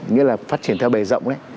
nghĩa là phát triển theo bề rộng